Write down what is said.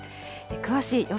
詳しい予想